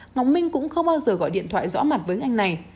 ngọc minh cũng không bao giờ gọi điện thoại rõ mặt với anh này